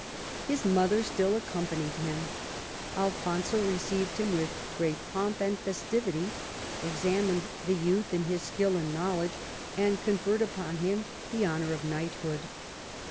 His mother still accompanied him. Alfonso received them with great pomp and festivity, examined the youth in his skill and knowledge, and conferred upon him the honour of knighthood.